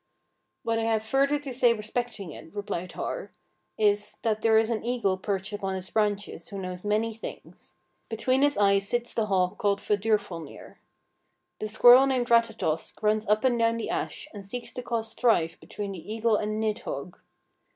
"What I have further to say respecting it," replied Har, "is, that there is an eagle perched upon its branches who knows many things: between his eyes sits the hawk called Vedurfolnir. The squirrel named Ratatosk runs up and down the ash, and seeks to cause strife between the eagle and Nidhogg.